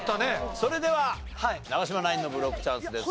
それでは長嶋ナインのブロックチャンスです。